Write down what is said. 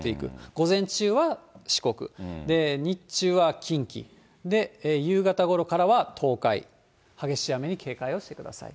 午前中は四国、日中は近畿、夕方ごろからは東海、激しい雨に警戒をしてください。